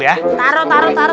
taruh taruh taruh